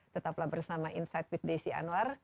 tetaplah bersama insight with desi anwar